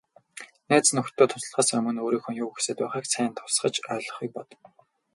Найз нөхдөдөө туслахаасаа өмнө өөрийнхөө юу хүсээд байгааг сайн тусгаж ойлгохыг бод.